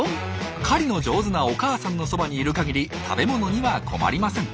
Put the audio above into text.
狩りの上手なお母さんのそばにいる限り食べ物には困りません。